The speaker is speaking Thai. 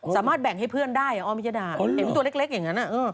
สามารถแบ่งให้เพื่อนได้ออมพิยดาเห็นตัวเล็กอย่างนั้น